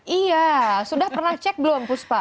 iya sudah pernah cek belum puspa